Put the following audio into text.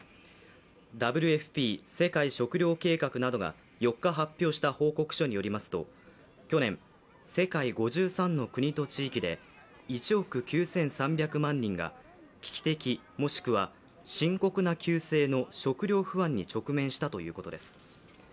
ＷＦＰ＝世界食糧計画などが４日発表した報告書によりますと去年、世界５３の国と地域で１億９３００万人が危機的、もしくは深刻な急性の食料不安に直面したということです。